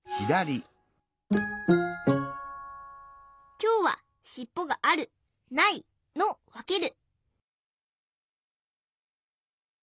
きょうは「しっぽがあるない」のわける！